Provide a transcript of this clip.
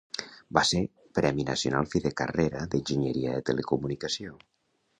Va ser Premi Nacional Fi de Carrera d'enginyeria de telecomunicació.